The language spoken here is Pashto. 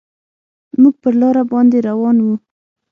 موږ پر لاره باندې روان وو.